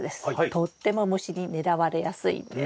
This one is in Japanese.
とっても虫に狙われやすいんです。